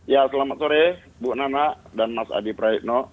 ya selamat sore bu nana dan mas adi praetno